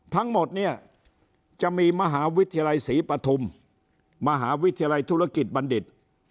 ทั้งหมดเนี่ยจะมีมหาวิทยาลัยศรีปฐุมมหาวิทยาลัยธุรกิจบัณฑิต